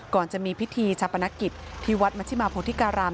ก่อนจะมีพิธีจับประณะกิจที่วัดมัธิมาพฤษฐิการาม